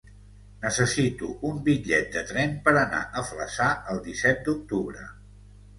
Necessito un bitllet de tren per anar a Flaçà el disset d'octubre.